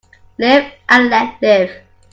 Live and let live.